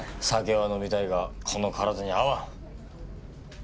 酒は飲みたいがこの体に合わん。